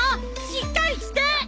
しっかりして！